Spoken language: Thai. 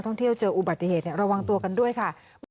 ท่องเที่ยวเจออุบัติเหตุระวังตัวกันด้วยค่ะ